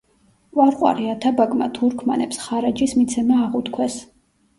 ყვარყვარე ათაბაგმა თურქმანებს ხარაჯის მიცემა აღუთქვეს.